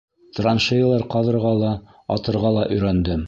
Траншеялар ҡаҙырға ла, атырға ла өйрәндем...